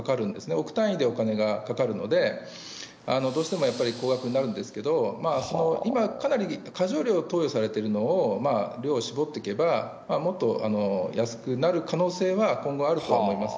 億単位でお金がかかるので、どうしてもやっぱり高額になるんですけど、今、かなり過剰量投与されてるのが、量を絞っていけば、もっと安くなる可能性は今後あると思います。